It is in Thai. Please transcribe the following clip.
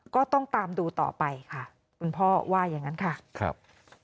ก็ต้องตามดูต่อไปค่ะคุณพ่อว่าอย่างนั้นค่ะครับ